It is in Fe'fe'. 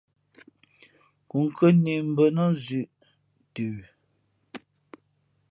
Kǒnkhʉ́ά nē mbᾱ mα nά zʉ̌ʼ ntə.